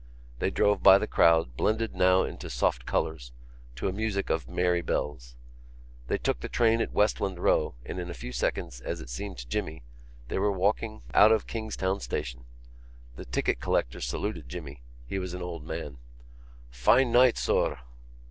They drove by the crowd, blended now into soft colours, to a music of merry bells. They took the train at Westland Row and in a few seconds, as it seemed to Jimmy, they were walking out of Kingstown Station. The ticket collector saluted Jimmy; he was an old man: "Fine night, sir!"